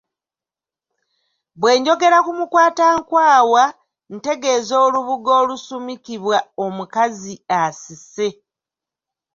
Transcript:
Bwe njogera ku Mukwatankwaawa ntegeeza olubugo olusumikibwa omukazi asise.